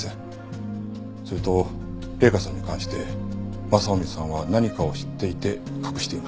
それと麗華さんに関して雅臣さんは何かを知っていて隠しています。